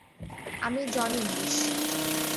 আমি Johnny English.